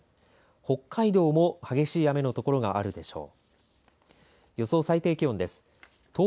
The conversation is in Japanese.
北海道も激しい雨のところがあるでしょう。